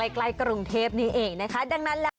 ใกล้กรุงเทพนี้เองนะคะดังนั้นแล้ว